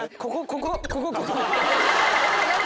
ここここ。